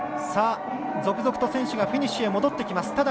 続々と選手がフィニッシュへと戻ってきます。